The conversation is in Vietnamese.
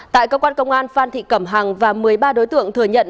tại cơ quan công an phan thị cẩm hằng và một mươi ba đối tượng thừa nhận